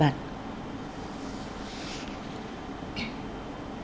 thành phố khẩn trương